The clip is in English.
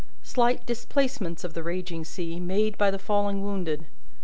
Slight displacements of the raging sea, made by the falling wounded.